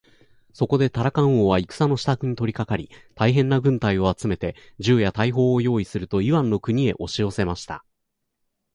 そこでタラカン王は戦のしたくに取りかかり、大へんな軍隊を集めて、銃や大砲をよういすると、イワンの国へおしよせました。